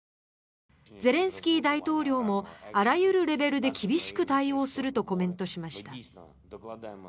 ゼレンスキー大統領もあらゆるレベルで厳しく対応するとコメントしました。